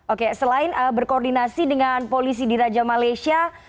oke selain berkoordinasi dengan polisi di raja malaysia